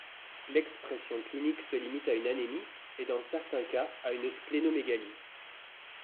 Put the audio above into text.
L’expression clinique se limite à une anémie et, dans certains cas, à une splénomégalie.